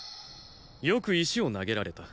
よく石を投げられた。